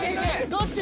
・どっち？